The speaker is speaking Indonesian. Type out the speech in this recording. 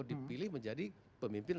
dipilih menjadi presiden